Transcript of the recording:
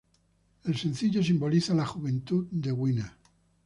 El sencillo simboliza la juventud de Winner.